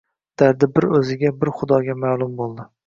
Dardi bir o‘ziga, bir xudoga ma’lum bo‘ldi.